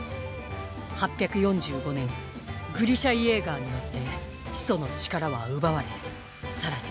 ８４５年グリシャ・イェーガーによって始祖の力は奪われさらに